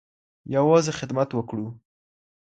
يوازې خدمت وکړو.